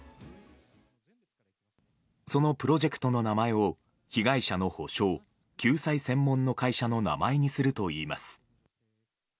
そのプロジェクトの名前を被害者の補償・救済専門の会社の名前にするといいます。